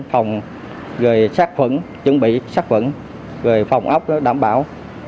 phòng sát phẩm chuẩn bị sát phẩm phòng ốc đảm bảo